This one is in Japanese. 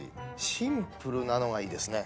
シンプルなのがいいですね。